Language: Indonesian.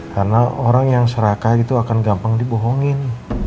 karena orang yang seraka itu akan gampang dibohongin